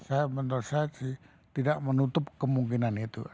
saya menurut saya sih tidak menutup kemungkinan itu